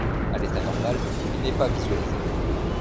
À l'état normal, il n'est pas visualisé.